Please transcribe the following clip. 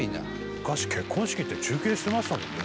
「昔結婚式って中継してましたもんね」